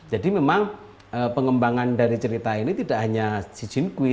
jadi memang pengembangan dari cerita ini tidak hanya si jinkui